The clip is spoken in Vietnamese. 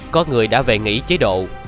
có người đã về nghỉ chế độ